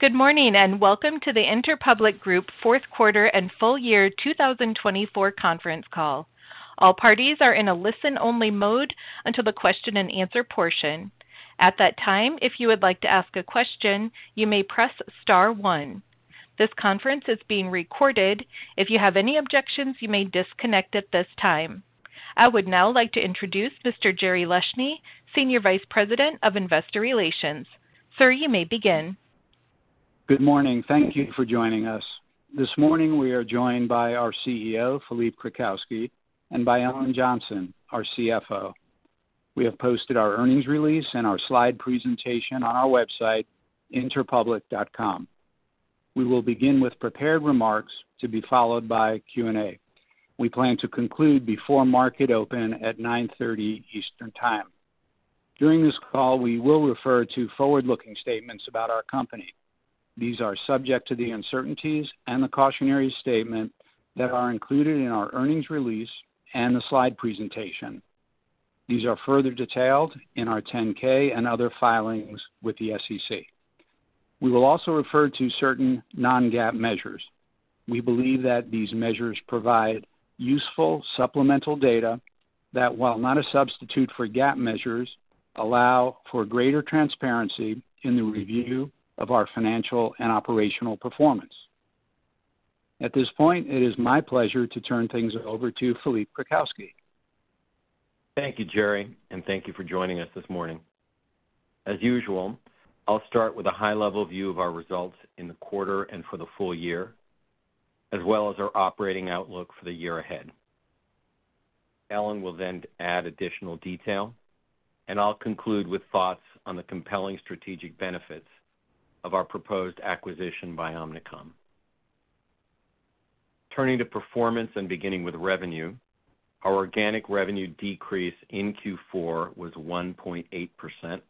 Good morning and welcome to the Interpublic Group Fourth Quarter and Full Year 2024 Conference Call. All parties are in a listen-only mode until the question-and-answer portion. At that time, if you would like to ask a question, you may press star one. This conference is being recorded. If you have any objections, you may disconnect at this time. I would now like to introduce Mr. Jerry Leshne, Senior Vice President of Investor Relations. Sir, you may begin. Good morning. Thank you for joining us. This morning, we are joined by our CEO, Philippe Krakowsky, and by Ellen Johnson, our CFO. We have posted our earnings release and our slide presentation on our website, interpublic.com. We will begin with prepared remarks to be followed by Q&A. We plan to conclude before market open at 9:30 A.M. Eastern Time. During this call, we will refer to forward-looking statements about our company. These are subject to the uncertainties and the cautionary statement that are included in our earnings release and the slide presentation. These are further detailed in our 10-K and other filings with the SEC. We will also refer to certain non-GAAP measures. We believe that these measures provide useful supplemental data that, while not a substitute for GAAP measures, allow for greater transparency in the review of our financial and operational performance. At this point, it is my pleasure to turn things over to Philippe Krakowsky. Thank you, Jerry, and thank you for joining us this morning. As usual, I'll start with a high-level view of our results in the quarter and for the full year, as well as our operating outlook for the year ahead. Ellen will then add additional detail, and I'll conclude with thoughts on the compelling strategic benefits of our proposed acquisition by Omnicom. Turning to performance and beginning with revenue, our organic revenue decrease in Q4 was 1.8%,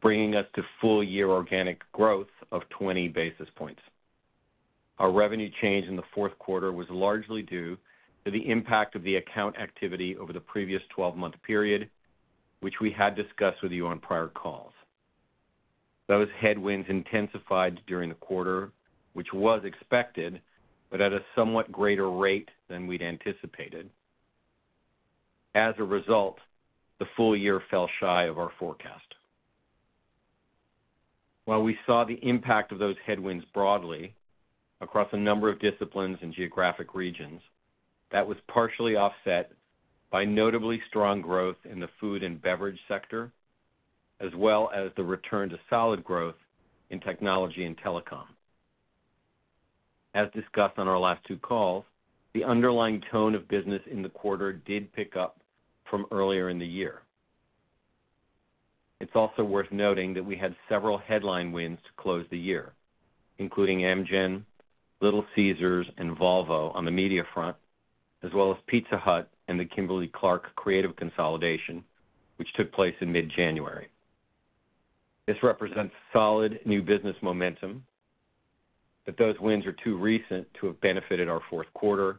bringing us to full-year organic growth of 20 basis points. Our revenue change in the fourth quarter was largely due to the impact of the account activity over the previous 12-month period, which we had discussed with you on prior calls. Those headwinds intensified during the quarter, which was expected, but at a somewhat greater rate than we'd anticipated. As a result, the full year fell shy of our forecast. While we saw the impact of those headwinds broadly across a number of disciplines and geographic regions, that was partially offset by notably strong growth in the food and beverage sector, as well as the return to solid growth in technology and telecom. As discussed on our last two calls, the underlying tone of business in the quarter did pick up from earlier in the year. It's also worth noting that we had several headline wins to close the year, including Amgen, Little Caesars, and Volvo on the media front, as well as Pizza Hut and the Kimberly-Clark creative consolidation, which took place in mid-January. This represents solid new business momentum, but those wins are too recent to have benefited our fourth quarter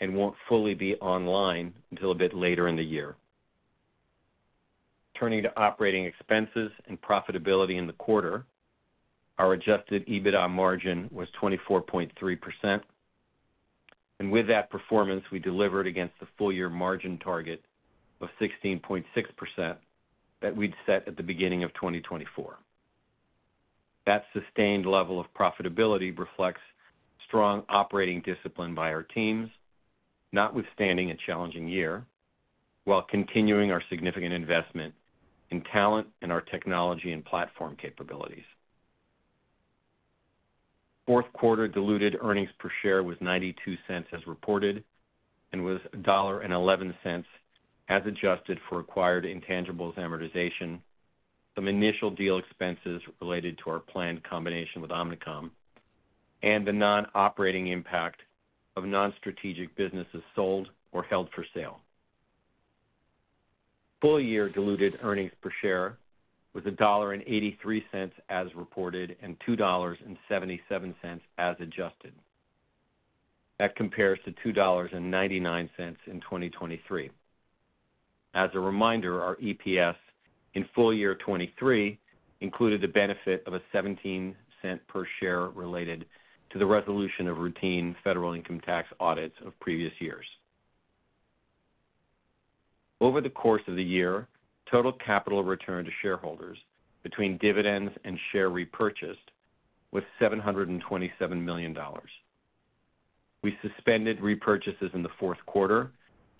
and won't fully be online until a bit later in the year. Turning to operating expenses and profitability in the quarter, our Adjusted EBITDA margin was 24.3%. And with that performance, we delivered against the full-year margin target of 16.6% that we'd set at the beginning of 2024. That sustained level of profitability reflects strong operating discipline by our teams, notwithstanding a challenging year, while continuing our significant investment in talent and our technology and platform capabilities. Fourth quarter Diluted Earnings Per Share was $0.92 as reported and was $1.11 as adjusted for acquired intangibles amortization, some initial deal expenses related to our planned combination with Omnicom, and the non-operating impact of non-strategic businesses sold or held for sale. Full-year Diluted Earnings Per Share was $1.83 as reported and $2.77 as adjusted. That compares to $2.99 in 2023. As a reminder, our EPS in full year 2023 included a benefit of $0.17 per share related to the resolution of routine federal income tax audits of previous years. Over the course of the year, total capital return to shareholders between dividends and share repurchases was $727 million. We suspended repurchases in the fourth quarter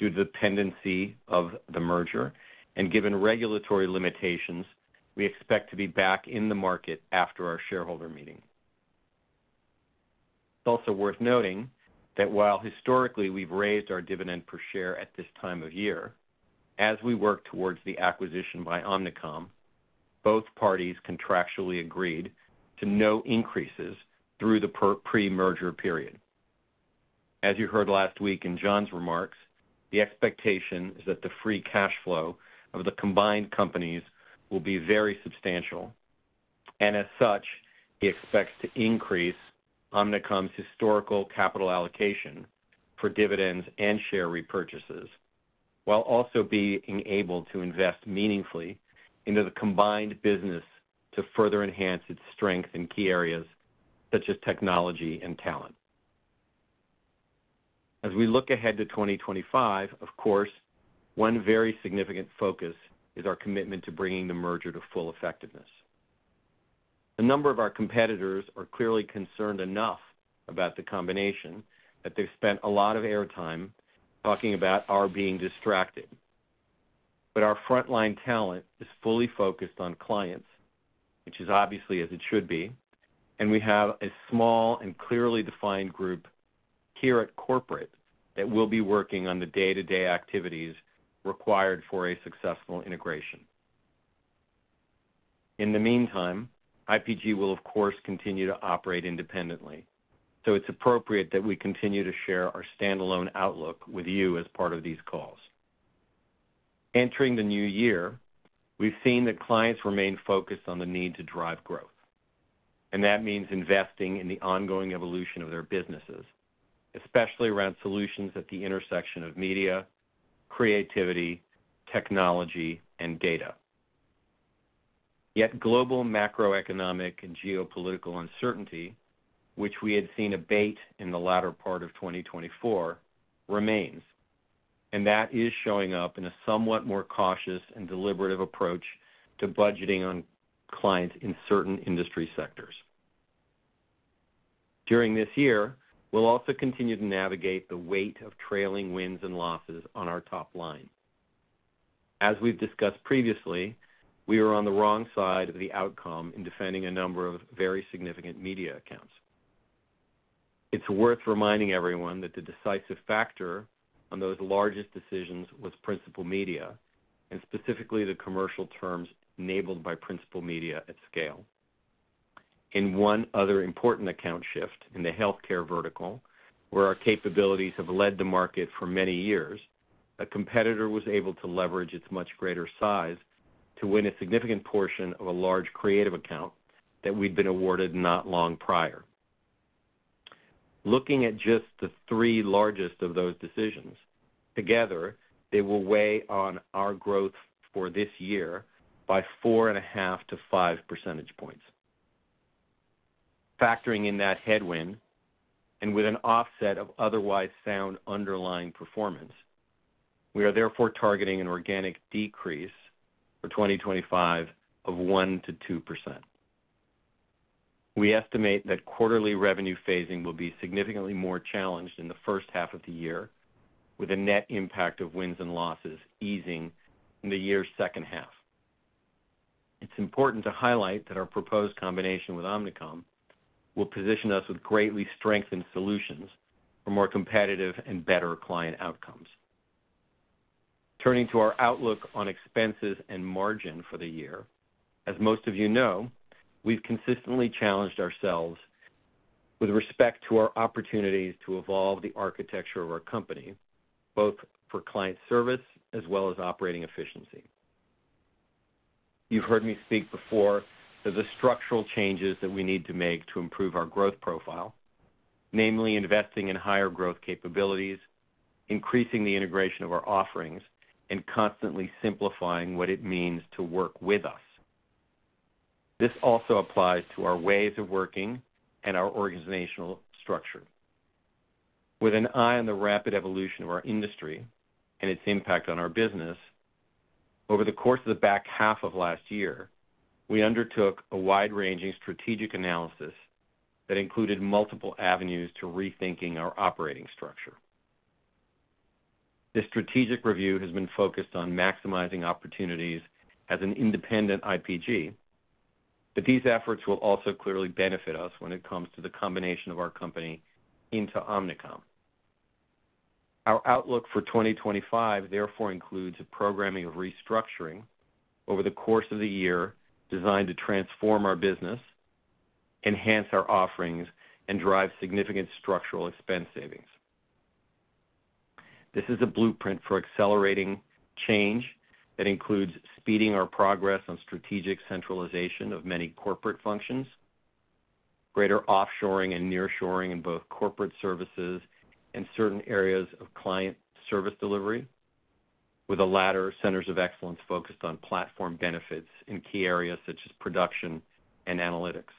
due to the pendency of the merger, and given regulatory limitations, we expect to be back in the market after our shareholder meeting. It's also worth noting that while historically we've raised our dividend per share at this time of year, as we work towards the acquisition by Omnicom, both parties contractually agreed to no increases through the pre-merger period. As you heard last week in John's remarks, the expectation is that the free cash flow of the combined companies will be very substantial, and as such, he expects to increase Omnicom's historical capital allocation for dividends and share repurchases, while also being able to invest meaningfully into the combined business to further enhance its strength in key areas such as technology and talent. As we look ahead to 2025, of course, one very significant focus is our commitment to bringing the merger to full effectiveness. A number of our competitors are clearly concerned enough about the combination that they've spent a lot of airtime talking about our being distracted. But our frontline talent is fully focused on clients, which is obviously as it should be, and we have a small and clearly defined group here at corporate that will be working on the day-to-day activities required for a successful integration. In the meantime, IPG will, of course, continue to operate independently, so it's appropriate that we continue to share our standalone outlook with you as part of these calls. Entering the new year, we've seen that clients remain focused on the need to drive growth, and that means investing in the ongoing evolution of their businesses, especially around solutions at the intersection of media, creativity, technology, and data. Yet global macroeconomic and geopolitical uncertainty, which we had seen abate in the latter part of 2024, remains, and that is showing up in a somewhat more cautious and deliberative approach to budgeting on clients in certain industry sectors. During this year, we'll also continue to navigate the weight of trailing wins and losses on our top line. As we've discussed previously, we were on the wrong side of the outcome in defending a number of very significant media accounts. It's worth reminding everyone that the decisive factor on those largest decisions was principal media and specifically the commercial terms enabled by principal media at scale. In one other important account shift in the healthcare vertical, where our capabilities have led the market for many years, a competitor was able to leverage its much greater size to win a significant portion of a large creative account that we'd been awarded not long prior. Looking at just the three largest of those decisions, together, they will weigh on our growth for this year by four and a half to five percentage points. Factoring in that headwind and with an offset of otherwise sound underlying performance, we are therefore targeting an organic decrease for 2025 of 1%-2%. We estimate that quarterly revenue phasing will be significantly more challenged in the first half of the year, with a net impact of wins and losses easing in the year's second half. It's important to highlight that our proposed combination with Omnicom will position us with greatly strengthened solutions for more competitive and better client outcomes. Turning to our outlook on expenses and margin for the year, as most of you know, we've consistently challenged ourselves with respect to our opportunities to evolve the architecture of our company, both for client service as well as operating efficiency. You've heard me speak before of the structural changes that we need to make to improve our growth profile, namely investing in higher growth capabilities, increasing the integration of our offerings, and constantly simplifying what it means to work with us. This also applies to our ways of working and our organizational structure. With an eye on the rapid evolution of our industry and its impact on our business, over the course of the back half of last year, we undertook a wide-ranging strategic analysis that included multiple avenues to rethinking our operating structure. This strategic review has been focused on maximizing opportunities as an independent IPG, but these efforts will also clearly benefit us when it comes to the combination of our company into Omnicom. Our outlook for 2025 therefore includes a programming of restructuring over the course of the year designed to transform our business, enhance our offerings, and drive significant structural expense savings. This is a blueprint for accelerating change that includes speeding our progress on strategic centralization of many corporate functions, greater offshoring and nearshoring in both corporate services and certain areas of client service delivery, with the latter centers of excellence focused on platform benefits in key areas such as production and analytics.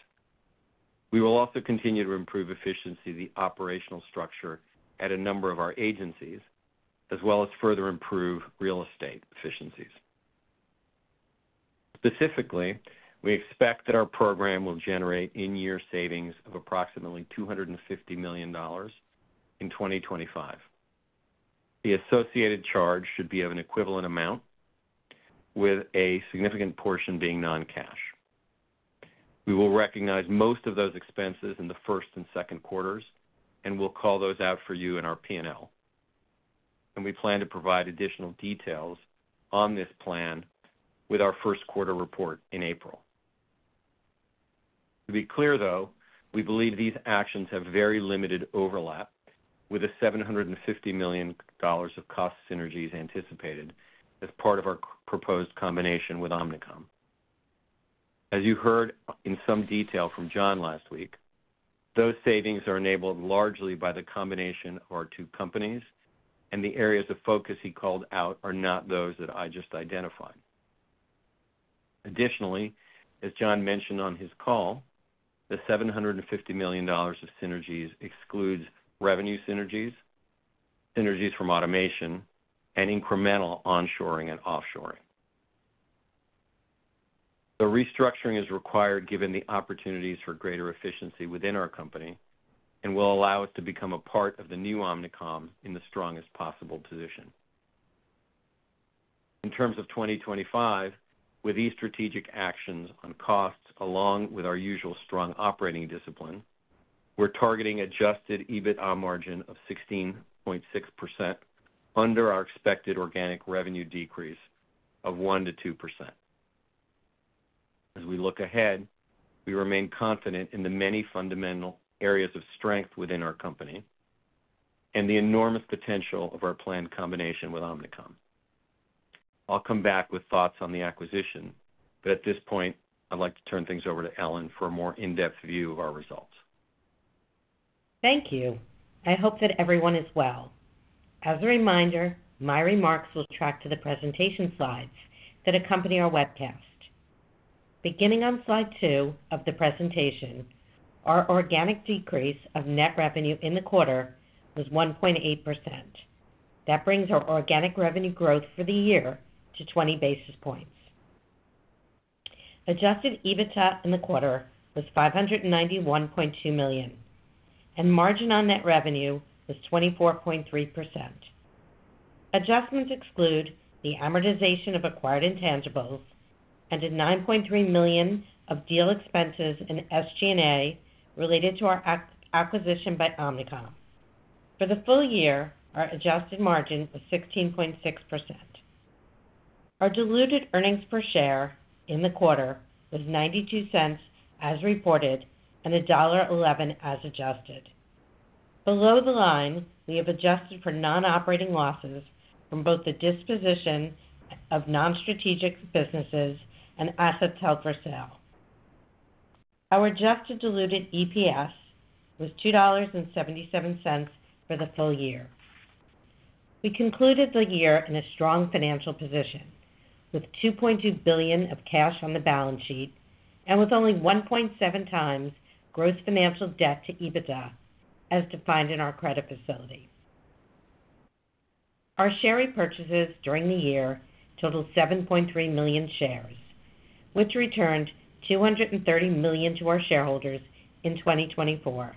We will also continue to improve efficiency of the operational structure at a number of our agencies, as well as further improve real estate efficiencies. Specifically, we expect that our program will generate in-year savings of approximately $250 million in 2025. The associated charge should be of an equivalent amount, with a significant portion being non-cash. We will recognize most of those expenses in the first and second quarters and will call those out for you in our P&L, and we plan to provide additional details on this plan with our first quarter report in April. To be clear, though, we believe these actions have very limited overlap with the $750 million of cost synergies anticipated as part of our proposed combination with Omnicom. As you heard in some detail from John last week, those savings are enabled largely by the combination of our two companies, and the areas of focus he called out are not those that I just identified. Additionally, as John mentioned on his call, the $750 million of synergies excludes revenue synergies, synergies from automation, and incremental onshoring and offshoring. The restructuring is required given the opportunities for greater efficiency within our company and will allow us to become a part of the new Omnicom in the strongest possible position. In terms of 2025, with these strategic actions on costs along with our usual strong operating discipline, we're targeting Adjusted EBITDA margin of 16.6% under our expected organic revenue decrease of 1%-2%. As we look ahead, we remain confident in the many fundamental areas of strength within our company and the enormous potential of our planned combination with Omnicom. I'll come back with thoughts on the acquisition, but at this point, I'd like to turn things over to Ellen for a more in-depth view of our results. Thank you. I hope that everyone is well. As a reminder, my remarks will track to the presentation slides that accompany our webcast. Beginning on slide two of the presentation, our organic decrease of net revenue in the quarter was 1.8%. That brings our organic revenue growth for the year to 20 basis points. Adjusted EBITDA in the quarter was $591.2 million, and margin on net revenue was 24.3%. Adjustments exclude the amortization of acquired intangibles and $9.3 million of deal expenses in SG&A related to our acquisition by Omnicom. For the full year, our adjusted margin was 16.6%. Our Diluted Earnings Per Share in the quarter was $0.92 as reported and $1.11 as adjusted. Below the line, we have adjusted for non-operating losses from both the disposition of non-strategic businesses and assets held for sale. Our Adjusted Diluted EPS was $2.77 for the full year. We concluded the year in a strong financial position with $2.2 billion of cash on the balance sheet and with only 1.7 times gross financial debt to EBITDA as defined in our credit facility. Our share repurchases during the year totaled 7.3 million shares, which returned $230 million to our shareholders in 2024.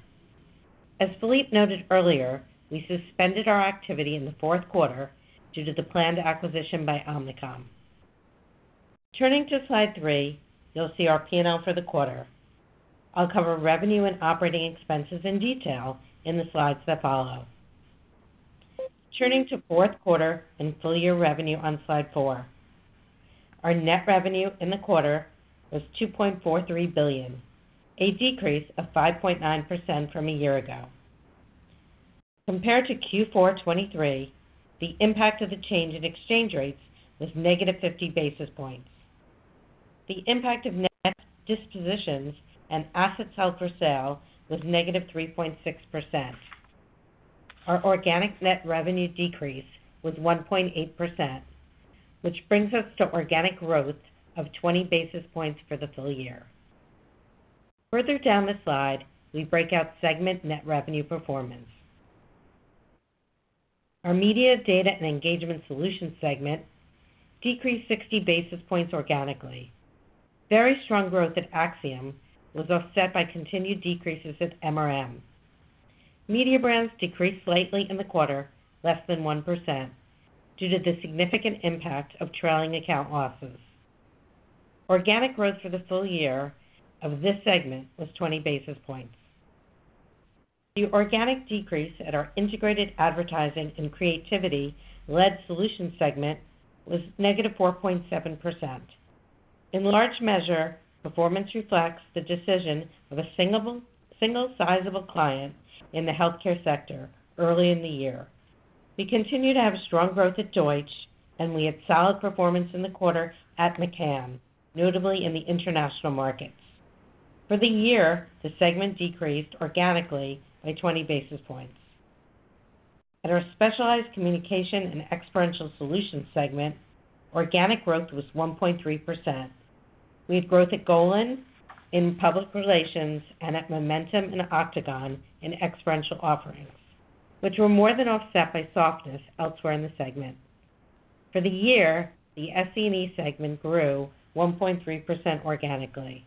As Philippe noted earlier, we suspended our activity in the fourth quarter due to the planned acquisition by Omnicom. Turning to slide three, you'll see our P&L for the quarter. I'll cover revenue and operating expenses in detail in the slides that follow. Turning to fourth quarter and full year revenue on slide four, our net revenue in the quarter was $2.43 billion, a decrease of 5.9% from a year ago. Compared to Q4 2023, the impact of the change in exchange rates was negative 50 basis points. The impact of net dispositions and assets held for sale was negative 3.6%. Our organic net revenue decrease was 1.8%, which brings us to organic growth of 20 basis points for the full year. Further down the slide, we break out segment net revenue performance. Our Media, Data & Engagement Solutions segment decreased 60 basis points organically. Very strong growth at Acxiom was offset by continued decreases at MRM. Mediabrands decreased slightly in the quarter, less than 1%, due to the significant impact of trailing account losses. Organic growth for the full year of this segment was 20 basis points. The organic decrease at our Integrated Advertising & Creativity Led Solutions segment was negative 4.7%. In large measure, performance reflects the decision of a single sizable client in the healthcare sector early in the year. We continue to have strong growth at Deutsch, and we had solid performance in the quarter at McCann, notably in the international markets. For the year, the segment decreased organically by 20 basis points. At our Specialized Communications & Experiential Solutions segment, organic growth was 1.3%. We had growth at Golin in public relations and at Momentum and Octagon in experiential offerings, which were more than offset by softness elsewhere in the segment. For the year, the SC&E segment grew 1.3% organically.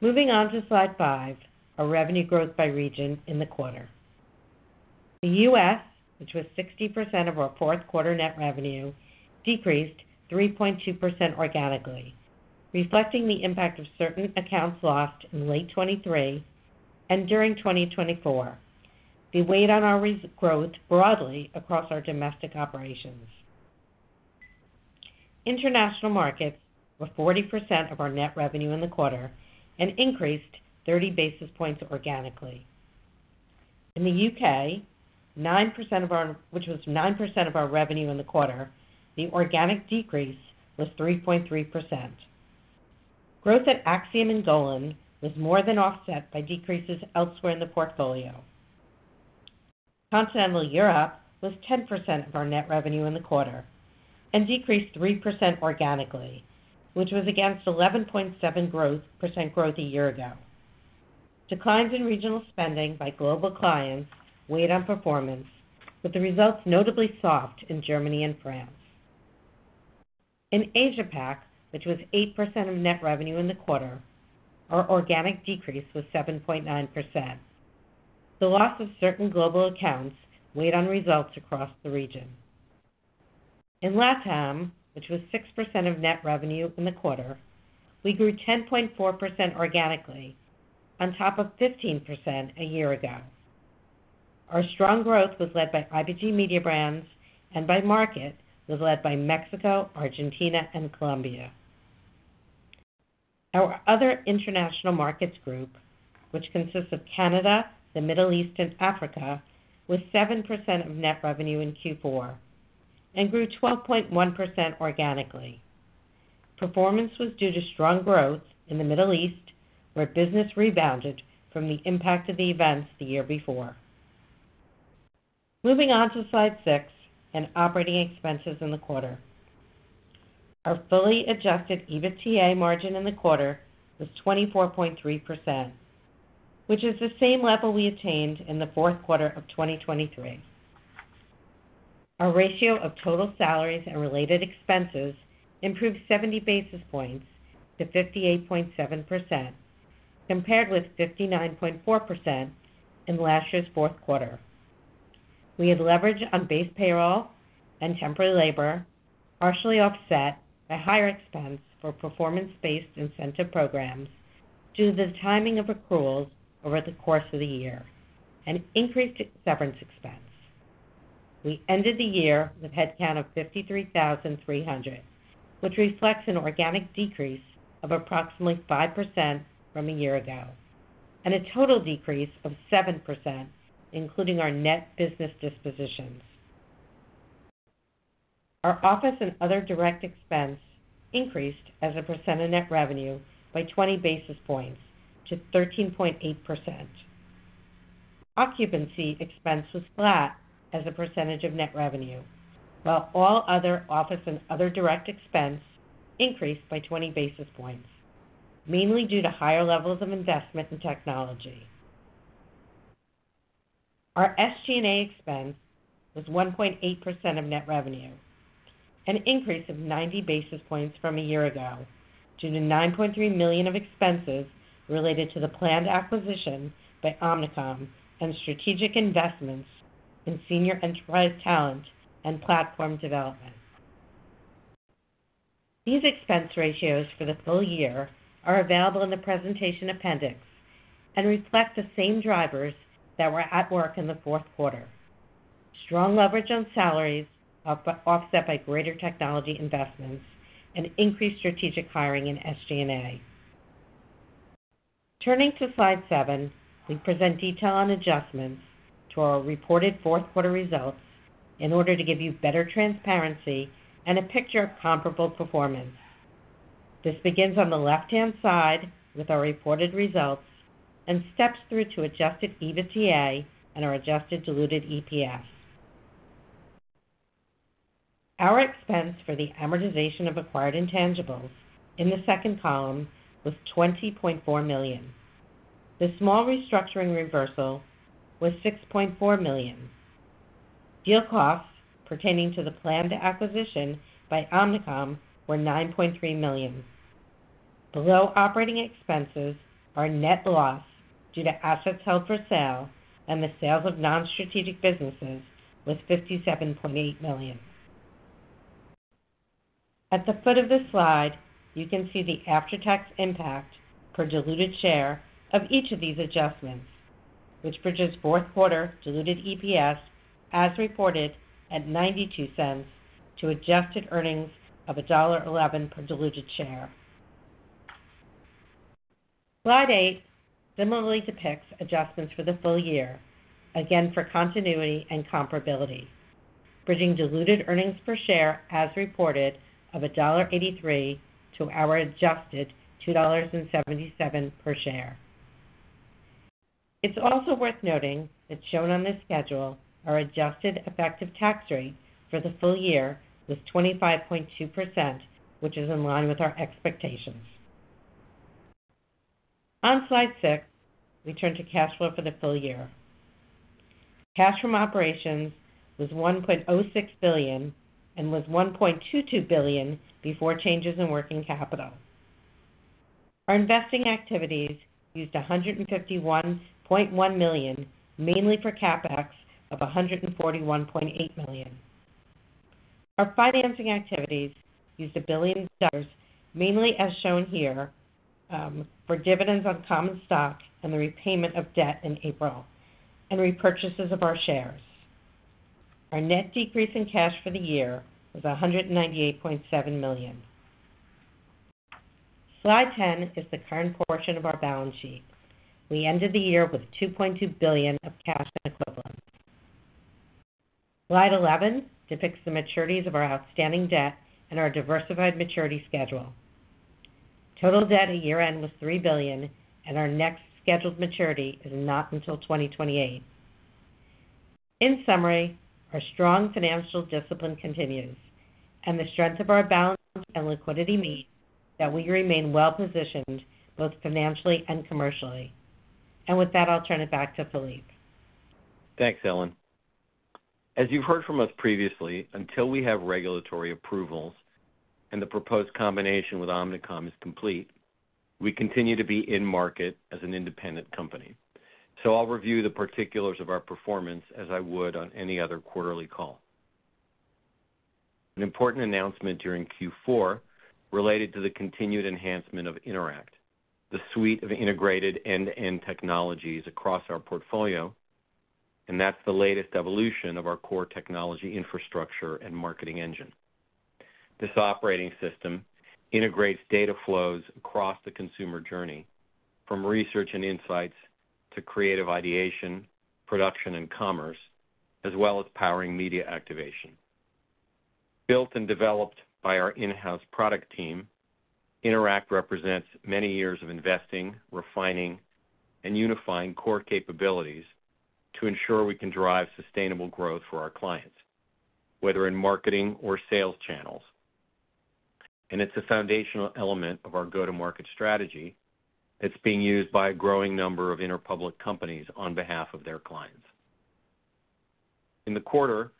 Moving on to slide five, our revenue growth by region in the quarter. The U.S., which was 60% of our fourth quarter net revenue, decreased 3.2% organically, reflecting the impact of certain accounts lost in late 2023 and during 2024. We weighed on our growth broadly across our domestic operations. International markets were 40% of our net revenue in the quarter and increased 30 basis points organically. In the UK, which was 9% of our revenue in the quarter, the organic decrease was 3.3%. Growth at Acxiom and Golin was more than offset by decreases elsewhere in the portfolio. Continental Europe was 10% of our net revenue in the quarter and decreased 3% organically, which was against 11.7% growth a year ago. Declines in regional spending by global clients weighed on performance, with the results notably soft in Germany and France. In Asia-Pac, which was 8% of net revenue in the quarter, our organic decrease was 7.9%. The loss of certain global accounts weighed on results across the region. In LATAM, which was 6% of net revenue in the quarter, we grew 10.4% organically on top of 15% a year ago. Our strong growth was led by IPG Mediabrands and the market was led by Mexico, Argentina, and Colombia. Our other international markets group, which consists of Canada, the Middle East, and Africa, was 7% of net revenue in Q4 and grew 12.1% organically. Performance was due to strong growth in the Middle East, where business rebounded from the impact of the events the year before. Moving on to slide six and operating expenses in the quarter. Our fully Adjusted EBITDA margin in the quarter was 24.3%, which is the same level we attained in the fourth quarter of 2023. Our ratio of total salaries and related expenses improved 70 basis points to 58.7%, compared with 59.4% in last year's fourth quarter. We had leverage on base payroll and temporary labor partially offset by higher expense for performance-based incentive programs due to the timing of accruals over the course of the year and increased severance expense. We ended the year with a headcount of 53,300, which reflects an organic decrease of approximately 5% from a year ago and a total decrease of 7%, including our net business dispositions. Our office and other direct expense increased as a percent of net revenue by 20 basis points to 13.8%. Occupancy expense was flat as a percentage of net revenue, while all other office and other direct expense increased by 20 basis points, mainly due to higher levels of investment in technology. Our SG&A expense was 1.8% of net revenue, an increase of 90 basis points from a year ago due to $9.3 million of expenses related to the planned acquisition by Omnicom and strategic investments in senior enterprise talent and platform development. These expense ratios for the full year are available in the presentation appendix and reflect the same drivers that were at work in the fourth quarter: strong leverage on salaries offset by greater technology investments and increased strategic hiring in SG&A. Turning to slide seven, we present detail on adjustments to our reported fourth quarter results in order to give you better transparency and a picture of comparable performance. This begins on the left-hand side with our reported results and steps through to Adjusted EBITDA and our Adjusted Diluted EPS. Our expense for the amortization of acquired intangibles in the second column was $20.4 million. The small restructuring reversal was $6.4 million. Deal costs pertaining to the planned acquisition by Omnicom were $9.3 million. Below operating expenses are net loss due to assets held for sale and the sales of non-strategic businesses, with $57.8 million. At the foot of this slide, you can see the after-tax impact per diluted share of each of these adjustments, which bridges fourth quarter diluted EPS as reported at $0.92 to adjusted earnings of $1.11 per diluted share. Slide eight similarly depicts adjustments for the full year, again for continuity and comparability, bridging Diluted Earnings Per Share as reported of $1.83 to our adjusted $2.77 per share. It's also worth noting that shown on this schedule, our adjusted effective tax rate for the full year was 25.2%, which is in line with our expectations. On slide six, we turn to cash flow for the full year. Cash from operations was $1.06 billion and was $1.22 billion before changes in working capital. Our investing activities used $151.1 million, mainly for CapEx of $141.8 million. Our financing activities used $1 billion, mainly as shown here, for dividends on common stock and the repayment of debt in April and repurchases of our shares. Our net decrease in cash for the year was $198.7 million. Slide 10 is the current portion of our balance sheet. We ended the year with $2.2 billion of cash and equivalents. Slide 11 depicts the maturities of our outstanding debt and our diversified maturity schedule. Total debt at year-end was $3 billion, and our next scheduled maturity is not until 2028. In summary, our strong financial discipline continues, and the strength of our balance and liquidity means that we remain well-positioned both financially and commercially. With that, I'll turn it back to Philippe. Thanks, Ellen. As you've heard from us previously, until we have regulatory approvals and the proposed combination with Omnicom is complete, we continue to be in market as an independent company. So I'll review the particulars of our performance as I would on any other quarterly call. An important announcement during Q4 related to the continued enhancement of Interact, the suite of integrated end-to-end technologies across our portfolio, and that's the latest evolution of our core technology infrastructure and marketing engine. This operating system integrates data flows across the consumer journey from research and insights to creative ideation, production, and commerce, as well as powering media activation. Built and developed by our in-house product team, Interact represents many years of investing, refining, and unifying core capabilities to ensure we can drive sustainable growth for our clients, whether in marketing or sales channels. And it's a foundational element of our go-to-market strategy that's being used by a growing number of Interpublic companies on behalf of their clients. In the quarter,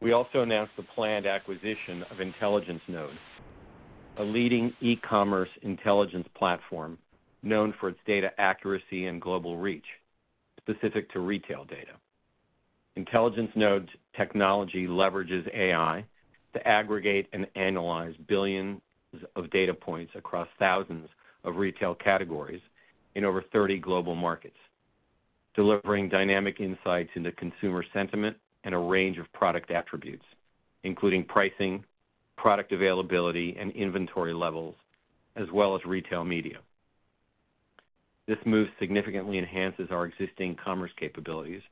we also announced the planned acquisition of Intelligence Node, a leading e-commerce intelligence platform known for its data accuracy and global reach specific to retail data. Intelligence Node technology leverages AI to aggregate and analyze billions of data points across thousands of retail categories in over 30 global markets, delivering dynamic insights into consumer sentiment and a range of product attributes, including pricing, product availability, and inventory levels, as well as retail media. This move significantly enhances our existing commerce capabilities,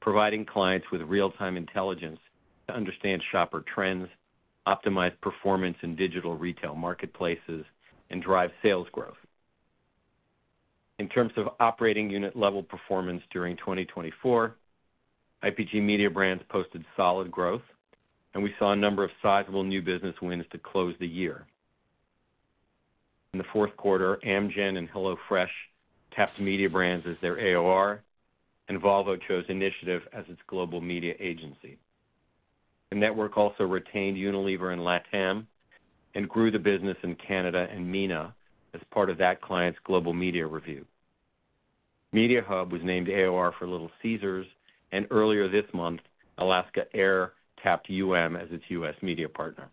providing clients with real-time intelligence to understand shopper trends, optimize performance in digital retail marketplaces, and drive sales growth. In terms of operating unit-level performance during 2024, IPG Mediabrands posted solid growth, and we saw a number of sizable new business wins to close the year. In the fourth quarter, Amgen and HelloFresh tapped Mediabrands as their AOR, and Volvo chose Initiative as its global media agency. The network also retained Unilever and LATAM and grew the business in Canada and MENA as part of that client's global media review. Mediahub was named AOR for Little Caesars, and earlier this month, Alaska Airlines tapped as its US media partner.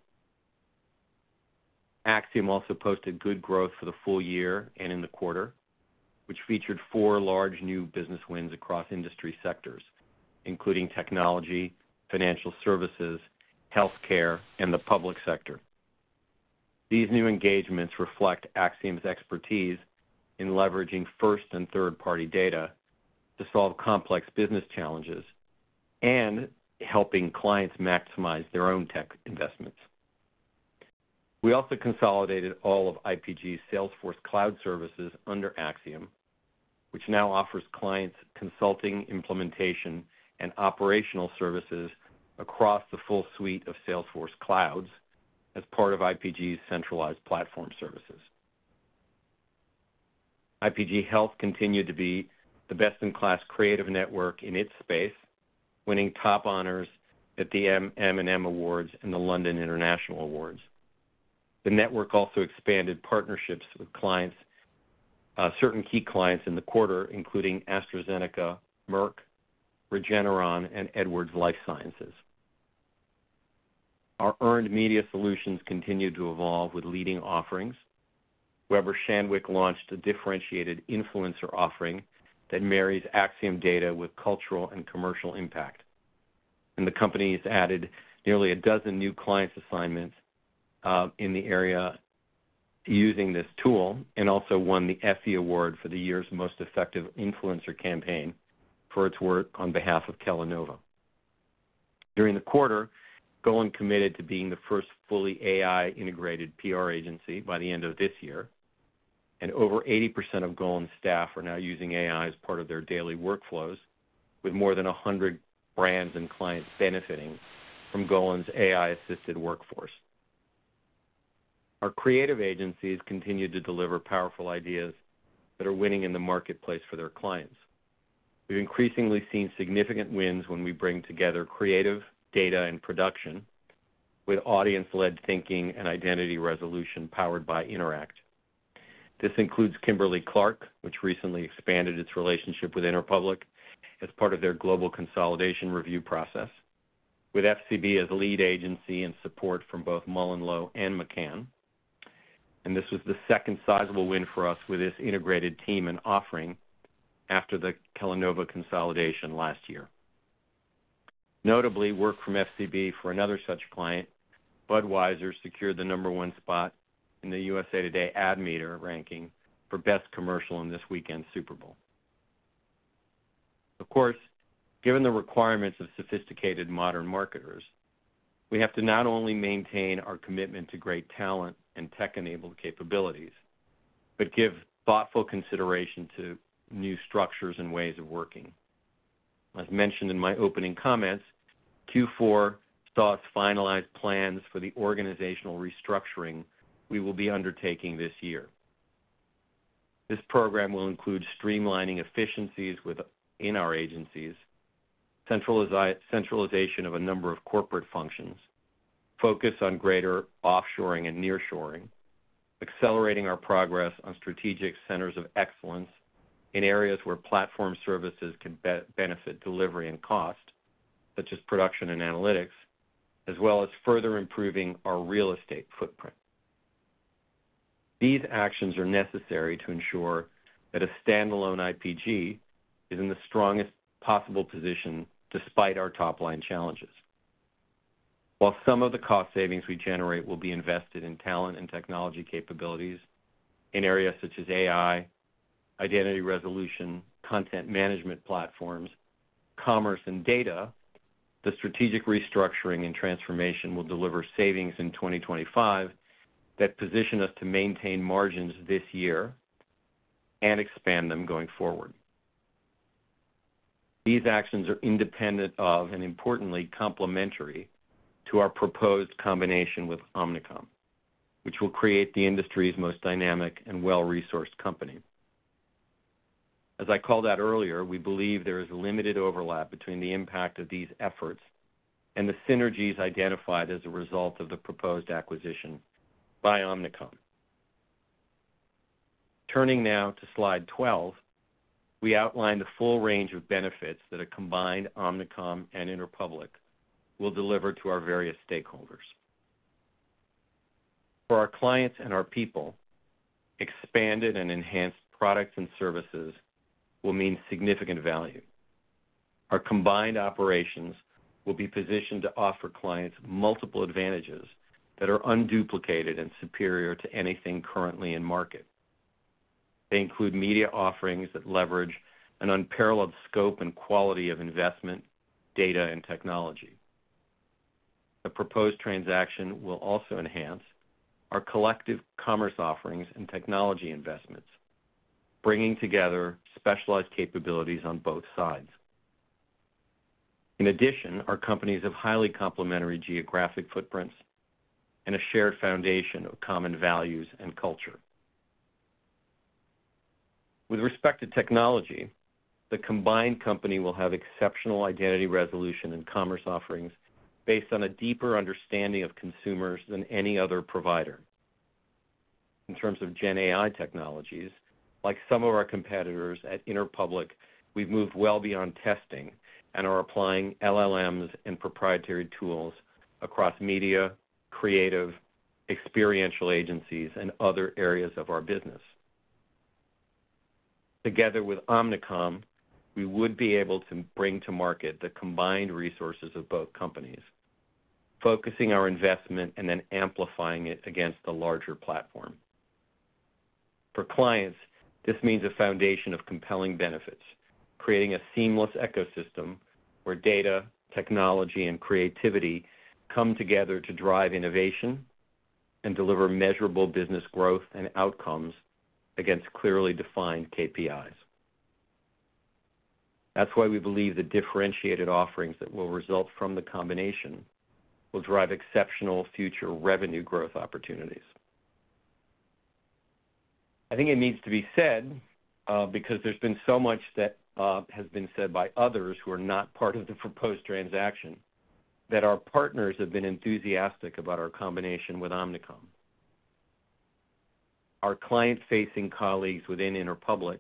Acxiom also posted good growth for the full year and in the quarter, which featured four large new business wins across industry sectors, including technology, financial services, healthcare, and the public sector. These new engagements reflect Acxiom's expertise in leveraging first and third-party data to solve complex business challenges and helping clients maximize their own tech investments. We also consolidated all of IPG's Salesforce Cloud services under Acxiom, which now offers clients consulting, implementation, and operational services across the full suite of Salesforce Clouds as part of IPG's centralized platform services. IPG Health continued to be the best-in-class creative network in its space, winning top honors at the MM+M Awards and the London International Awards. The network also expanded partnerships with certain key clients in the quarter, including AstraZeneca, Merck, Regeneron, and Edwards Lifesciences. Our earned media solutions continue to evolve with leading offerings. Weber Shandwick launched a differentiated influencer offering that marries Acxiom data with cultural and commercial impact. The company has added nearly a dozen new clients' assignments in the area using this tool and also won the Effie Award for the year's Most Effective Influencer Campaign for its work on behalf of Kellanova. During the quarter, Golin committed to being the first fully AI-integrated PR agency by the end of this year, and over 80% of Golin's staff are now using AI as part of their daily workflows, with more than 100 brands and clients benefiting from Golin's AI-assisted workforce. Our creative agencies continue to deliver powerful ideas that are winning in the marketplace for their clients. We've increasingly seen significant wins when we bring together creative data and production with audience-led thinking and identity resolution powered by Interact. This includes Kimberly-Clark, which recently expanded its relationship with Interpublic as part of their global consolidation review process, with FCB as a lead agency and support from both MullenLowe and McCann, and this was the second sizable win for us with this integrated team and offering after the Kellanova consolidation last year. Notably, work from FCB for another such client, Budweiser, secured the number one spot in the USA Today Ad Meter ranking for best commercial in this weekend's Super Bowl. Of course, given the requirements of sophisticated modern marketers, we have to not only maintain our commitment to great talent and tech-enabled capabilities, but give thoughtful consideration to new structures and ways of working. As mentioned in my opening comments, Q4 saw us finalize plans for the organizational restructuring we will be undertaking this year. This program will include streamlining efficiencies within our agencies, centralization of a number of corporate functions, focus on greater offshoring and nearshoring, accelerating our progress on strategic centers of excellence in areas where platform services can benefit delivery and cost, such as production and analytics, as well as further improving our real estate footprint. These actions are necessary to ensure that a standalone IPG is in the strongest possible position despite our top-line challenges. While some of the cost savings we generate will be invested in talent and technology capabilities in areas such as AI, identity resolution, content management platforms, commerce, and data, the strategic restructuring and transformation will deliver savings in 2025 that position us to maintain margins this year and expand them going forward. These actions are independent of and importantly complementary to our proposed combination with Omnicom, which will create the industry's most dynamic and well-resourced company. As I called out earlier, we believe there is limited overlap between the impact of these efforts and the synergies identified as a result of the proposed acquisition by Omnicom. Turning now to slide 12, we outline the full range of benefits that a combined Omnicom and Interpublic will deliver to our various stakeholders. For our clients and our people, expanded and enhanced products and services will mean significant value. Our combined operations will be positioned to offer clients multiple advantages that are unduplicated and superior to anything currently in market. They include media offerings that leverage an unparalleled scope and quality of investment, data, and technology. The proposed transaction will also enhance our collective commerce offerings and technology investments, bringing together specialized capabilities on both sides. In addition, our companies have highly complementary geographic footprints and a shared foundation of common values and culture. With respect to technology, the combined company will have exceptional identity resolution and commerce offerings based on a deeper understanding of consumers than any other provider. In terms of GenAI technologies, like some of our competitors at Interpublic, we've moved well beyond testing and are applying LLMs and proprietary tools across media, creative, experiential agencies, and other areas of our business. Together with Omnicom, we would be able to bring to market the combined resources of both companies, focusing our investment and then amplifying it against the larger platform. For clients, this means a foundation of compelling benefits, creating a seamless ecosystem where data, technology, and creativity come together to drive innovation and deliver measurable business growth and outcomes against clearly defined KPIs. That's why we believe the differentiated offerings that will result from the combination will drive exceptional future revenue growth opportunities. I think it needs to be said, because there's been so much that has been said by others who are not part of the proposed transaction, that our partners have been enthusiastic about our combination with Omnicom. Our client-facing colleagues within Interpublic,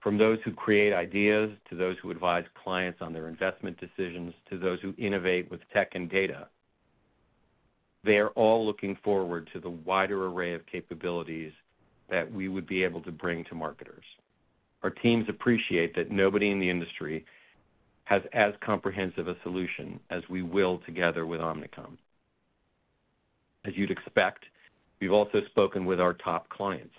from those who create ideas to those who advise clients on their investment decisions to those who innovate with tech and data, they are all looking forward to the wider array of capabilities that we would be able to bring to marketers. Our teams appreciate that nobody in the industry has as comprehensive a solution as we will together with Omnicom. As you'd expect, we've also spoken with our top clients.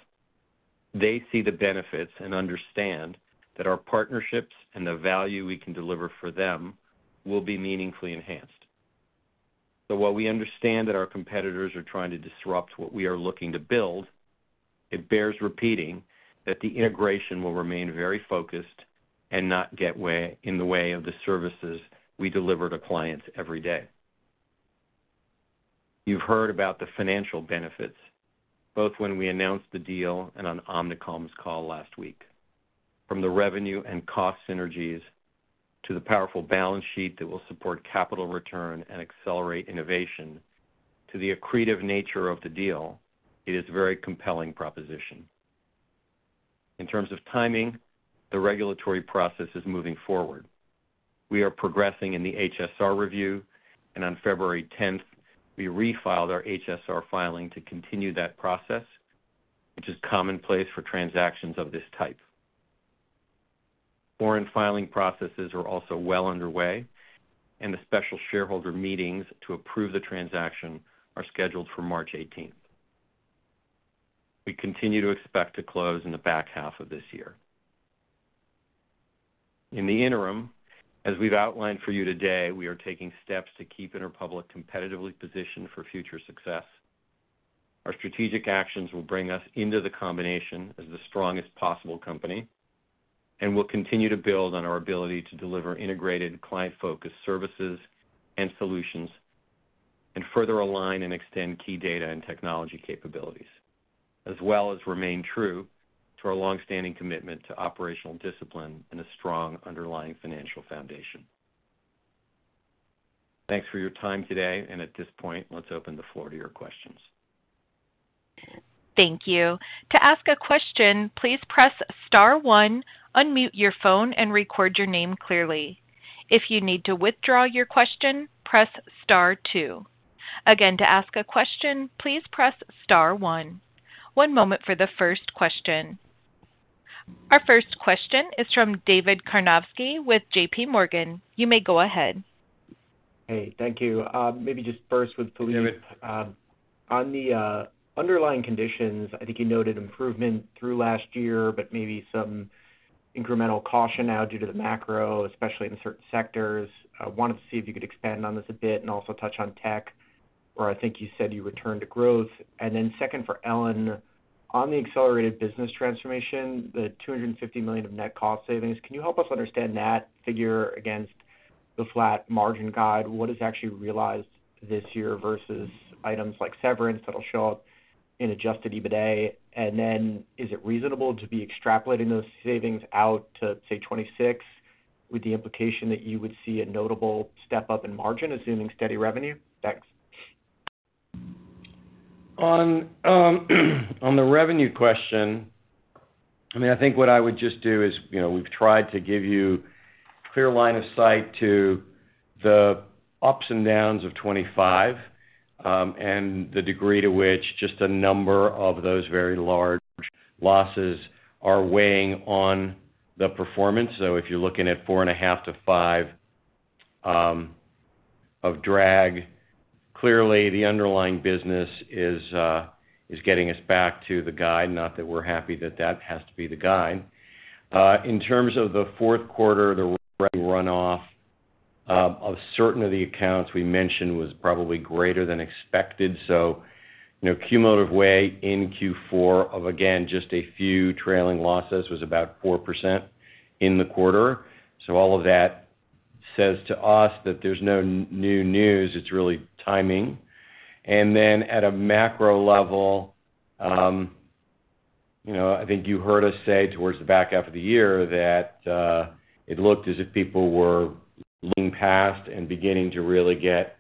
They see the benefits and understand that our partnerships and the value we can deliver for them will be meaningfully enhanced. So while we understand that our competitors are trying to disrupt what we are looking to build, it bears repeating that the integration will remain very focused and not get in the way of the services we deliver to clients every day. You've heard about the financial benefits, both when we announced the deal and on Omnicom's call last week. From the revenue and cost synergies to the powerful balance sheet that will support capital return and accelerate innovation to the accretive nature of the deal, it is a very compelling proposition.In terms of timing, the regulatory process is moving forward. We are progressing in the HSR review, and on February 10th, we refiled our HSR filing to continue that process, which is commonplace for transactions of this type. Foreign filing processes are also well underway, and the special shareholder meetings to approve the transaction are scheduled for March 18th. We continue to expect to close in the back half of this year. In the interim, as we've outlined for you today, we are taking steps to keep Interpublic competitively positioned for future success. Our strategic actions will bring us into the combination as the strongest possible company, and we'll continue to build on our ability to deliver integrated client-focused services and solutions and further align and extend key data and technology capabilities, as well as remain true to our longstanding commitment to operational discipline and a strong underlying financial foundation. Thanks for your time today, and at this point, let's open the floor to your questions. Thank you. To ask a question, please press star one, unmute your phone, and record your name clearly. If you need to withdraw your question, press star two. Again, to ask a question, please press star one. One moment for the first question. Our first question is from David Karnovsky with JPMorgan. You may go ahead. Hey, thank you. Maybe just first with Philippe on the underlying conditions. I think you noted improvement through last year, but maybe some incremental caution now due to the macro, especially in certain sectors. I wanted to see if you could expand on this a bit and also touch on tech, or I think you said you returned to growth. And then second for Ellen, on the accelerated business transformation, the $250 million of net cost savings, can you help us understand that figure against the flat margin guide? What is actually realized this year versus items like severance that'll show up in Adjusted EBITDA? Then is it reasonable to be extrapolating those savings out to, say, 2026, with the implication that you would see a notable step up in margin, assuming steady revenue? Thanks. On the revenue question, I mean, I think what I would just do is we've tried to give you a clear line of sight to the ups and downs of 2025 and the degree to which just a number of those very large losses are weighing on the performance. So if you're looking at four and a half to five of drag, clearly the underlying business is getting us back to the guide, not that we're happy that that has to be the guide. In terms of the fourth quarter, the runoff of certain of the accounts we mentioned was probably greater than expected. So cumulatively in Q4 of, again, just a few trailing losses was about 4% in the quarter. So all of that says to us that there's no new news. It's really timing. And then at a macro level, I think you heard us say towards the back half of the year that it looked as if people were leaning past and beginning to really get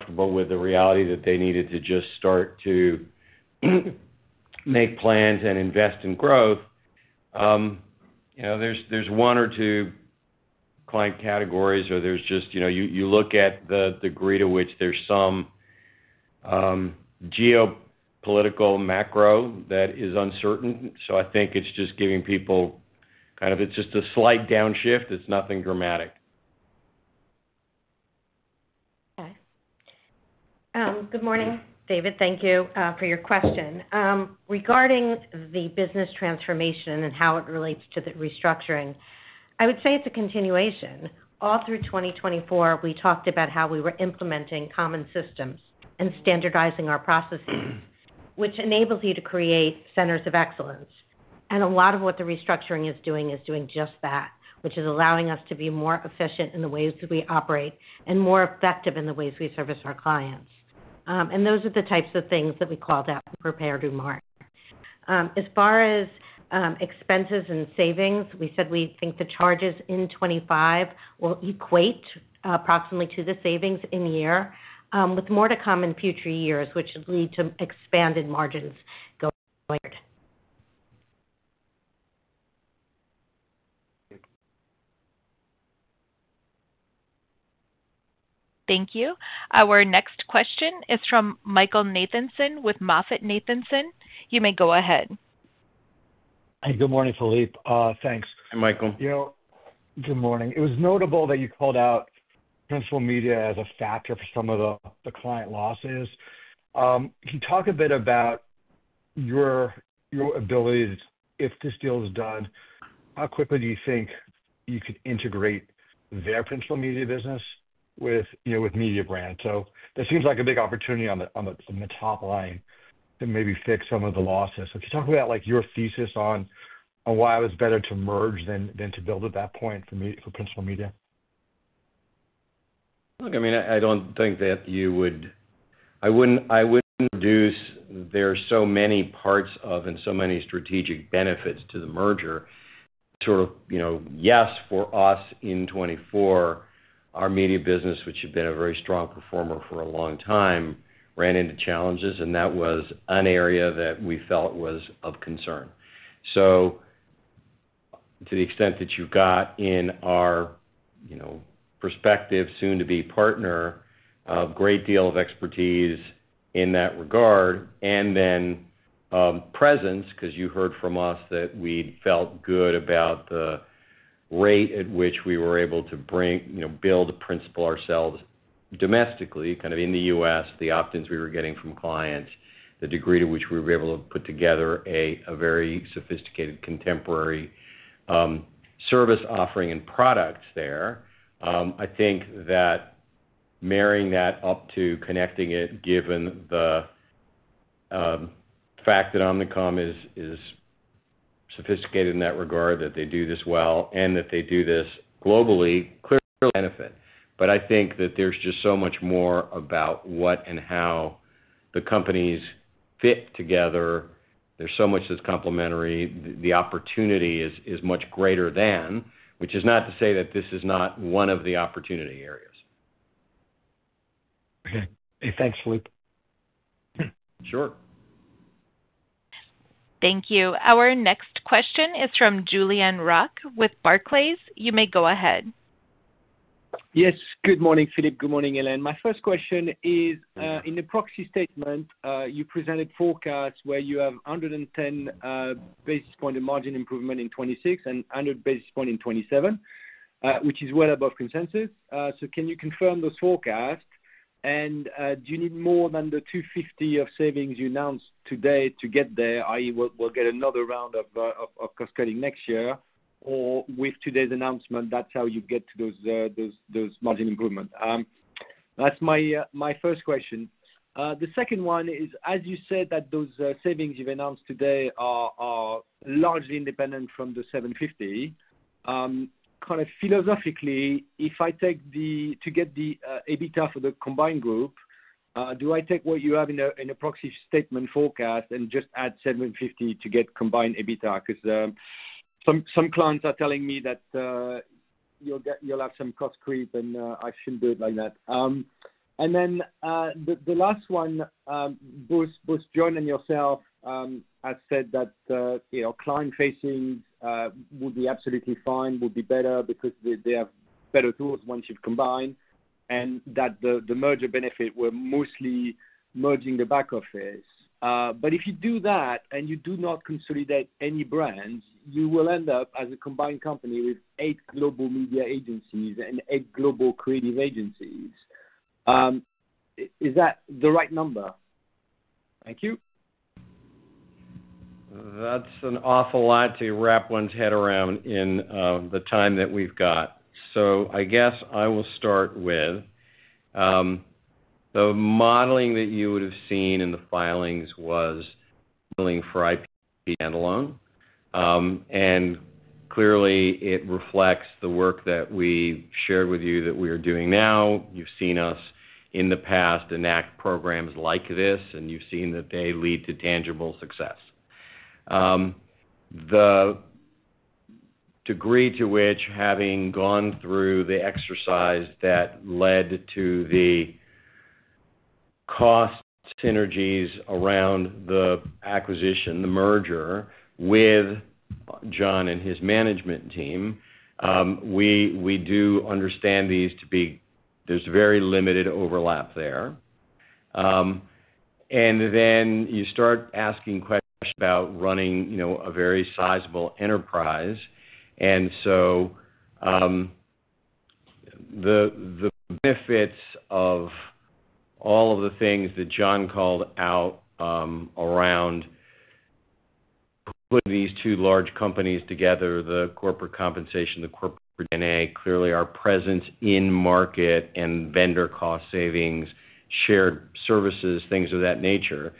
comfortable with the reality that they needed to just start to make plans and invest in growth. There's one or two client categories, or there's just you look at the degree to which there's some geopolitical macro that is uncertain. So I think it's just giving people kind of it's just a slight downshift. It's nothing dramatic. Okay. Good morning, David. Thank you for your question. Regarding the business transformation and how it relates to the restructuring, I would say it's a continuation. All through 2024, we talked about how we were implementing common systems and standardizing our processes, which enables you to create centers of excellence. And a lot of what the restructuring is doing is doing just that, which is allowing us to be more efficient in the ways that we operate and more effective in the ways we service our clients. And those are the types of things that we called out and prepared the market. As far as expenses and savings, we said we think the charges in 2025 will equate approximately to the savings in a year with more to come in future years, which would lead to expanded margins going forward. Thank you. Our next question is from Michael Nathanson with MoffettNathanson. You may go ahead. Hey, good morning, Philippe. Thanks. Hey, Michael. Good morning. It was notable that you called out principal media as a factor for some of the client losses. Can you talk a bit about your abilities, if this deal is done, how quickly do you think you could integrate their principal media business with Mediabrands? So that seems like a big opportunity on the top line to maybe fix some of the losses. So can you talk about your thesis on why it was better to merge than to build at that point for principal media? Look, I mean, I don't think that you would. I wouldn't reduce there are so many parts of, and so many strategic benefits to the merger. Sort of yes, for us in 2024, our media business, which had been a very strong performer for a long time, ran into challenges, and that was an area that we felt was of concern. So, to the extent that you've got in our prospective soon-to-be partner a great deal of expertise in that regard, and then presence, because you heard from us that we felt good about the rate at which we were able to build a principal ourselves domestically, kind of in the U.S., the opt-ins we were getting from clients, the degree to which we were able to put together a very sophisticated contemporary service offering and product there. I think that marrying that up to connecting it, given the fact that Omnicom is sophisticated in that regard, that they do this well and that they do this globally, clearly benefit. But I think that there's just so much more about what and how the companies fit together. There's so much that's complementary. The opportunity is much greater than, which is not to say that this is not one of the opportunity areas. Okay. Hey, thanks, Philippe. Sure. Thank you. Our next question is from Julien Roch with Barclays. You may go ahead. Yes. Good morning, Philippe. Good morning, Ellen. My first question is, in the proxy statement, you presented forecasts where you have 110 basis points of margin improvement in 2026 and 100 basis points in 2027, which is well above consensus. So can you confirm those forecasts? And do you need more than the 250 of savings you announced today to get there, i.e., we'll get another round of cascading next year, or with today's announcement, that's how you get to those margin improvement? That's my first question. The second one is, as you said, that those savings you've announced today are largely independent from the 750. Kind of philosophically, if I take the two to get the EBITDA for the combined group, do I take what you have in a proxy statement forecast and just add 750 to get combined EBITDA? Because some clients are telling me that you'll have some cost creep, and I shouldn't do it like that. And then the last one, both John and yourself have said that client-facing would be absolutely fine, would be better because they have better tools once you combine, and that the merger benefit were mostly merging the back office. But if you do that and you do not consolidate any brands, you will end up as a combined company with eight global media agencies and eight global creative agencies. Is that the right number? Thank you. That's an awful lot to wrap one's head around in the time that we've got. I guess I will start with the modeling that you would have seen in the filings, which was billing for IPG standalone. And clearly, it reflects the work that we shared with you that we are doing now. You've seen us in the past enact programs like this, and you've seen that they lead to tangible success. The degree to which, having gone through the exercise that led to the cost synergies around the acquisition, the merger with John and his management team, we do understand these to be. There's very limited overlap there. And then you start asking questions about running a very sizable enterprise. And so the benefits of all of the things that John called out around putting these two large companies together, the corporate compensation, the corporate DNA, clearly our presence in market and vendor cost savings, shared services, things of that nature,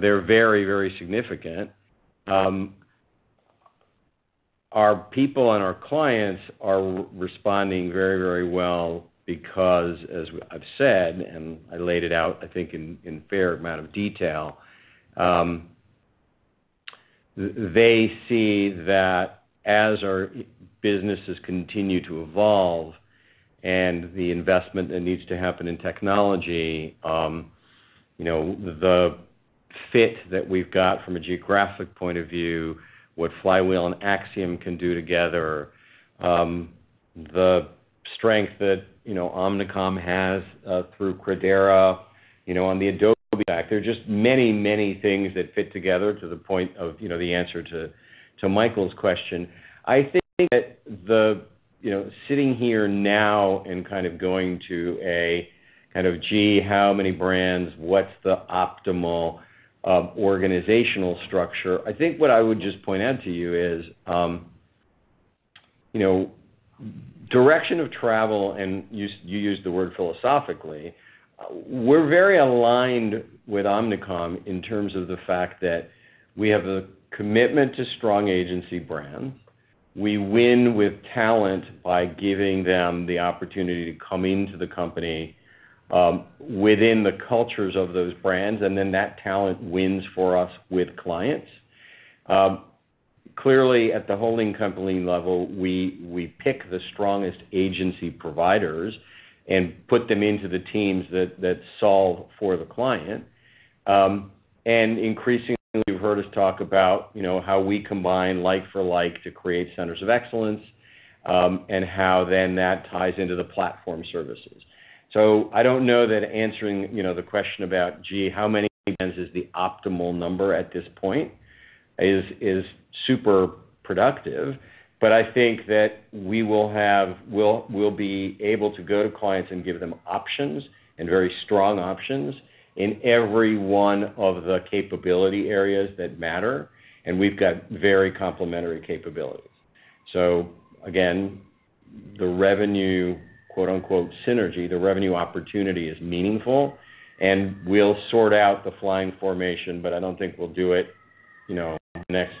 they're very, very significant. Our people and our clients are responding very, very well because, as I've said, and I laid it out, I think, in fair amount of detail, they see that as our businesses continue to evolve and the investment that needs to happen in technology, the fit that we've got from a geographic point of view, what flywheel and Acxiom can do together, the strength that Omnicom has through Credera on the Adobe stack, there are just many, many things that fit together to the point of the answer to Michael's question. I think that sitting here now and kind of going to a kind of, "Gee, how many brands? What's the optimal organizational structure?" I think what I would just point out to you is direction of travel, and you used the word philosophically. We're very aligned with Omnicom in terms of the fact that we have a commitment to strong agency brands. We win with talent by giving them the opportunity to come into the company within the cultures of those brands, and then that talent wins for us with clients. Clearly, at the holding company level, we pick the strongest agency providers and put them into the teams that solve for the client, and increasingly, we've heard us talk about how we combine like-for-like to create centers of excellence and how then that ties into the platform services. So I don't know that answering the question about, "Gee, how many brands is the optimal number at this point?" is super productive, but I think that we will be able to go to clients and give them options and very strong options in every one of the capability areas that matter, and we've got very complementary capabilities. So again, the revenue synergy, the revenue opportunity is meaningful, and we'll sort out the flying formation, but I don't think we'll do it in the next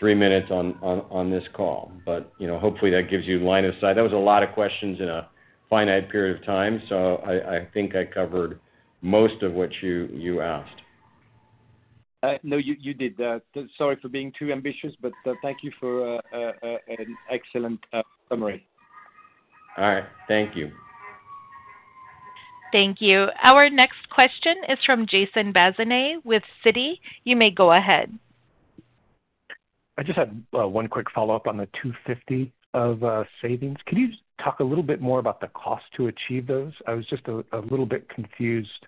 three minutes on this call. But hopefully, that gives you line of sight. That was a lot of questions in a finite period of time, so I think I covered most of what you asked. No, you did. Sorry for being too ambitious, but thank you for an excellent summary. All right. Thank you. Thank you. Our next question is from Jason Bazinet with Citi. You may go ahead. I just had one quick follow-up on the $250 of savings. Can you talk a little bit more about the cost to achieve those? I was just a little bit confused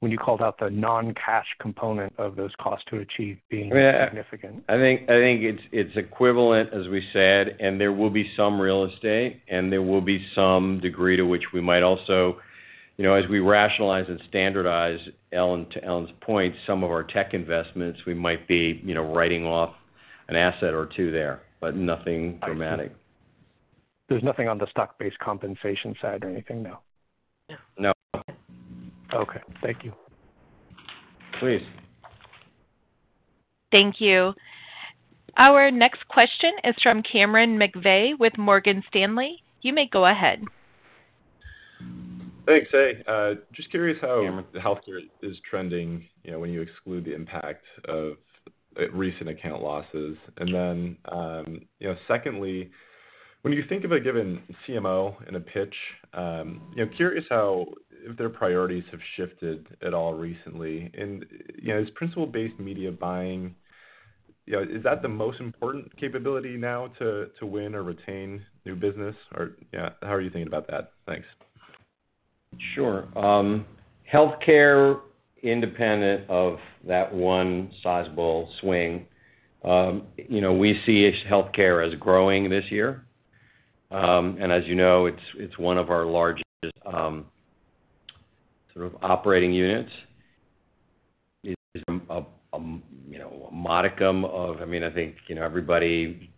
when you called out the non-cash component of those costs to achieve being significant. I think it's equivalent, as we said, and there will be some real estate, and there will be some degree to which we might also, as we rationalize and standardize, Ellen to Ellen's point, some of our tech investments, we might be writing off an asset or two there, but nothing dramatic. There's nothing on the stock-based compensation side or anything, no? No. No. Okay. Thank you. Please. Thank you. Our next question is from Cameron McVeigh with Morgan Stanley. You may go ahead. Hey, Phil. Just curious how the healthcare is trending when you exclude the impact of recent account losses. And then, secondly, when you think of a given CMO in a pitch, curious how their priorities have shifted at all recently. And is principal-based media buying is that the most important capability now to win or retain new business? Or how are you thinking about that? Thanks. Sure. Healthcare, independent of that one sizable swing, we see healthcare as growing this year. And as you know, it's one of our largest sort of operating units. It's a modicum of, I mean, I think everybody,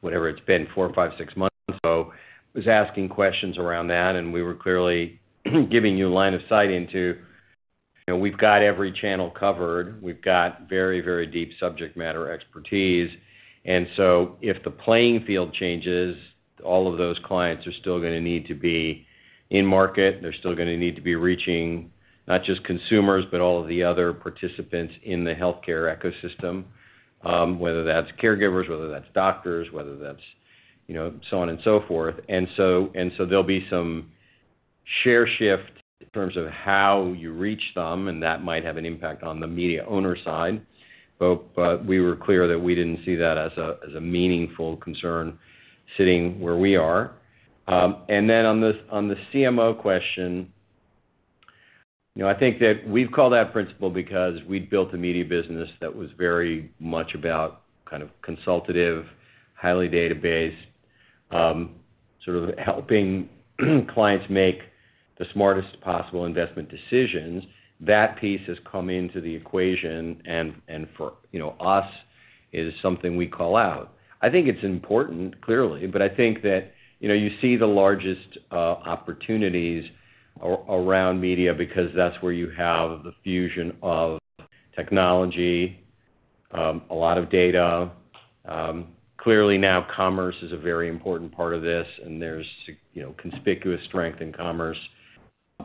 whatever it's been, four, five, six months ago, was asking questions around that, and we were clearly giving you a line of sight into we've got every channel covered. We've got very, very deep subject matter expertise. And so if the playing field changes, all of those clients are still going to need to be in market. They're still going to need to be reaching not just consumers, but all of the other participants in the healthcare ecosystem, whether that's caregivers, whether that's doctors, whether that's so on and so forth. And so there'll be some share shift in terms of how you reach them, and that might have an impact on the media owner side. But we were clear that we didn't see that as a meaningful concern sitting where we are. And then on the CMO question, I think that we've called that principal because we'd built a media business that was very much about kind of consultative, highly databased, sort of helping clients make the smartest possible investment decisions. That piece has come into the equation, and for us, it is something we call out. I think it's important, clearly, but I think that you see the largest opportunities around media because that's where you have the fusion of technology, a lot of data. Clearly, now commerce is a very important part of this, and there's conspicuous strength in commerce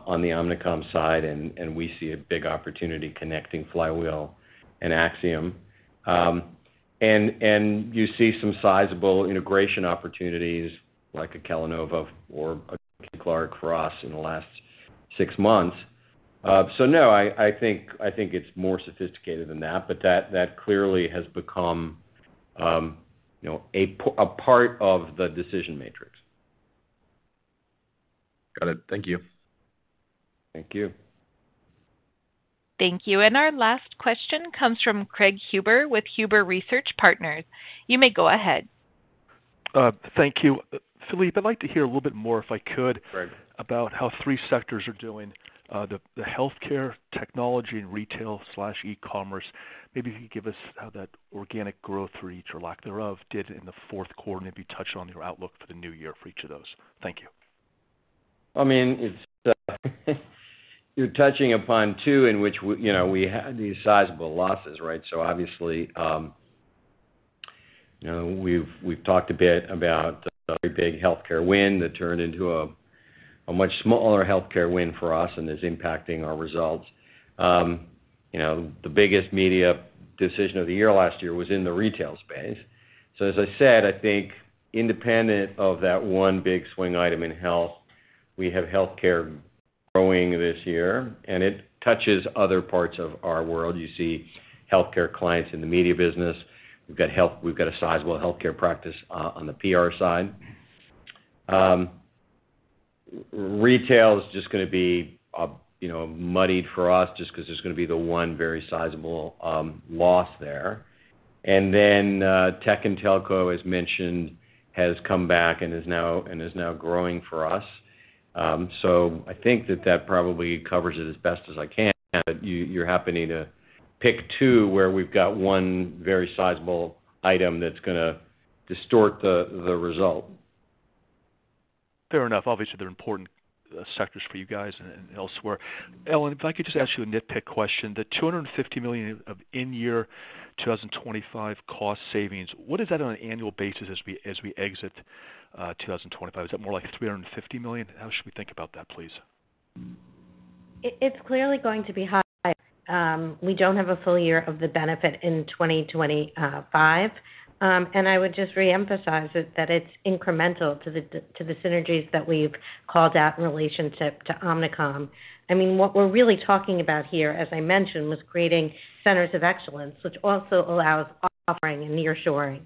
on the Omnicom side, and we see a big opportunity connecting flywheel and Acxiom. And you see some sizable integration opportunities like a Kellanova or a Kimberly-Clark for us in the last six months. So no, I think it's more sophisticated than that, but that clearly has become a part of the decision matrix. Got it. Thank you. Thank you. Thank you. And our last question comes from Craig Huber with Huber Research Partners. You may go ahead. Thank you. Philippe, I'd like to hear a little bit more, if I could, about how three sectors are doing the healthcare, technology, and retail/e-commerce. Maybe if you could give us how that organic growth, reach, or lack thereof did in the fourth quarter, and if you touched on your outlook for the new year for each of those? Thank you. I mean, you're touching upon two in which we had these sizable losses, right? So obviously, we've talked a bit about the big healthcare win that turned into a much smaller healthcare win for us and is impacting our results. The biggest media decision of the year last year was in the retail space. So as I said, I think independent of that one big swing item in health, we have healthcare growing this year, and it touches other parts of our world. You see healthcare clients in the media business. We've got a sizable healthcare practice on the PR side. Retail is just going to be muddied for us just because there's going to be the one very sizable loss there. And then tech and telco, as mentioned, has come back and is now growing for us. So I think that that probably covers it as best as I can, but you're happening to pick two where we've got one very sizable item that's going to distort the result. Fair enough. Obviously, they're important sectors for you guys and elsewhere. Ellen, if I could just ask you a nitpick question, the $250 million of in-year 2025 cost savings, what is that on an annual basis as we exit 2025? Is that more like $350 million? How should we think about that, please? It's clearly going to be higher. We don't have a full year of the benefit in 2025. And I would just reemphasize that it's incremental to the synergies that we've called out in relationship to Omnicom. I mean, what we're really talking about here, as I mentioned, was creating centers of excellence, which also allows offshoring and nearshoring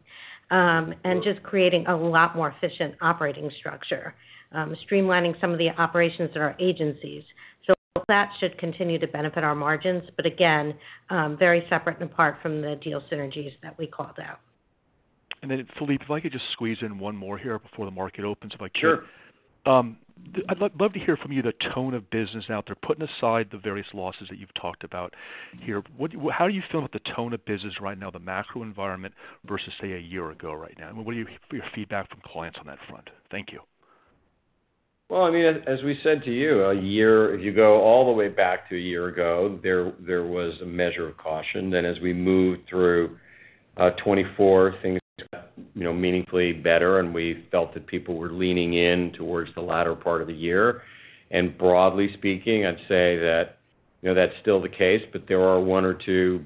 and just creating a lot more efficient operating structure, streamlining some of the operations of the agencies. So that should continue to benefit our margins, but again, very separate and apart from the deal synergies that we called out. And then, Philippe, if I could just squeeze in one more here before the market opens, if I could. Sure. I'd love to hear from you the tone of business out there, putting aside the various losses that you've talked about here. How do you feel about the tone of business right now, the macro environment versus, say, a year ago right now? And what do you hear for your feedback from clients on that front? Thank you. Well, I mean, as we said to you, a year, if you go all the way back to a year ago, there was a measure of caution. Then as we moved through 2024, things got meaningfully better, and we felt that people were leaning in towards the latter part of the year. And broadly speaking, I'd say that that's still the case, but there are one or two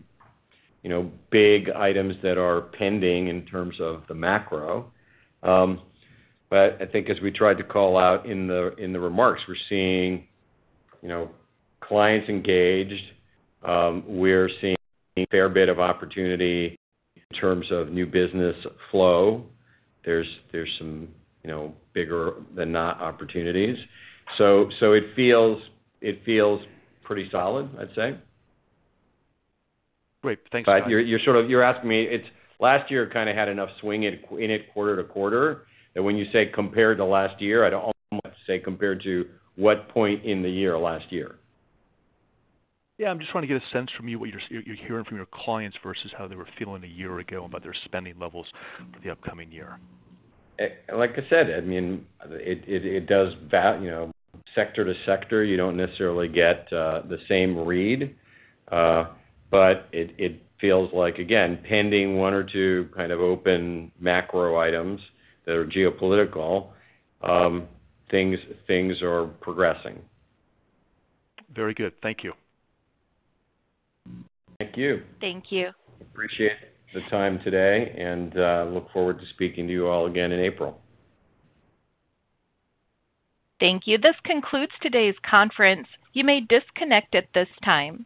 big items that are pending in terms of the macro. But I think as we tried to call out in the remarks, we're seeing clients engaged. We're seeing a fair bit of opportunity in terms of new business flow. There's some bigger-than-not opportunities. So it feels pretty solid, I'd say. Great. Thanks a lot. You're asking me, last year kind of had enough swing in it quarter to quarter. And when you say compared to last year, I'd almost say compared to what point in the year last year? Yeah. I'm just trying to get a sense from you what you're hearing from your clients versus how they were feeling a year ago about their spending levels for the upcoming year. Like I said, I mean, it does sector to sector. You don't necessarily get the same read, but it feels like, again, pending one or two kind of open macro items that are geopolitical, things are progressing. Very good. Thank you. Thank you. Thank you. Appreciate the time today, and look forward to speaking to you all again in April. Thank you. This concludes today's conference. You may disconnect at this time.